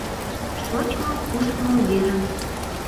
Шочмо-кушмо верым